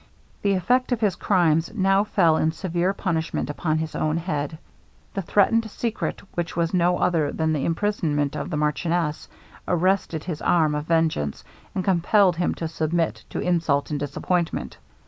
The effect of his crimes now fell in severe punishment upon his own head. The threatened secret, which was no other than the imprisonment of the marchioness, arrested his arm of vengeance, and compelled him to submit to insult and disappointment.